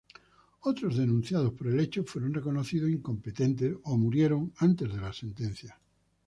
Otros denunciados por el hecho fueron reconocidos incompetentes o murieron antes de la sentencia.